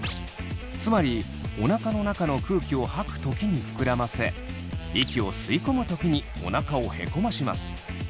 つまりおなかの中の空気を吐く時に膨らませ息を吸い込む時におなかをへこまします。